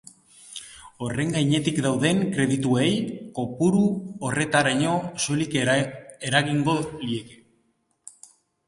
Horren gainetik dauden kredituei, kopuru horretaraino soilik eragingo lieke.